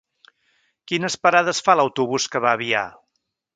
Quines parades fa l'autobús que va a Avià?